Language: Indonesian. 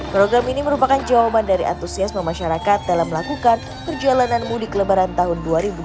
program ini merupakan jawaban dari antusiasme masyarakat dalam melakukan perjalanan mudik lebaran tahun dua ribu dua puluh